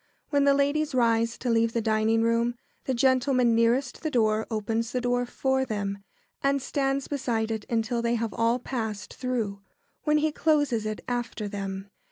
] When the ladies rise to leave the dining room, the gentleman nearest the door opens the door for them, and stands beside it until they have all passed through, when he closes it after them.